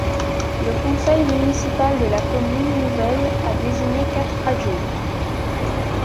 Le conseil municipal de la commune nouvelle a désigné quatre adjoints.